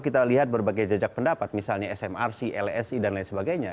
kita lihat berbagai jejak pendapat misalnya smrc lsi dan lain sebagainya